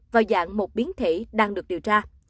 vào dạng một biến thể đang được điều tra